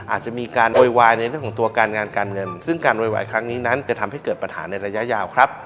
อาจจะมีการโวยวายในเรื่องของตัวการงานการเงินซึ่งการโวยวายครั้งนี้นั้นจะทำให้เกิดปัญหาในระยะยาวครับ